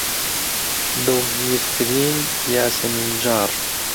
دڵگیرترین یاسەمینجاڕ